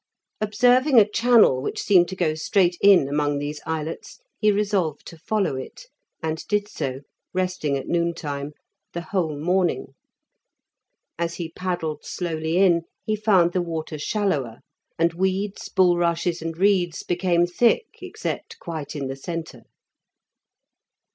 Observing a channel which seemed to go straight in among these islets, he resolved to follow it, and did so (resting at noon time) the whole morning. As he paddled slowly in, he found the water shallower, and weeds, bulrushes, and reeds became thick, except quite in the centre.